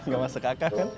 gak masuk kakak kan